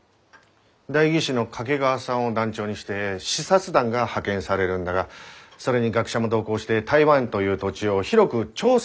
代議士の掛川さんを団長にして視察団が派遣されるんだがそれに学者も同行して台湾という土地を広く調査することとなった。